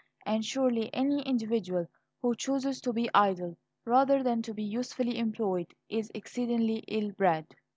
And surely any individual who chooses to be idle rather than to be usefully employed, is exceedingly ill bred.